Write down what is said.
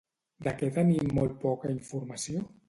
De què tenim molt poca informació?